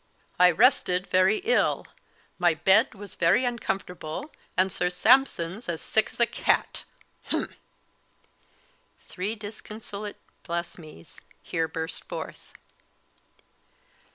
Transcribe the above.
"I rested very ill; my bed was very uncomfortable; and Sir Sampson's as sick as a cat humph!" Three disconsolate "Bless me's!" here burst forth.